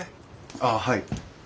ああはい。